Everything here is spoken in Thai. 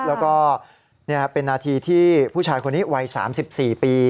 แล้วก็เป็นนาทีที่ผู้ชายคนนี้วัย๓๔ปี